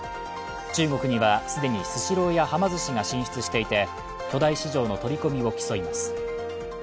中国には既にスシローやはま寿司が進出していて巨大市場の取り込みを競います。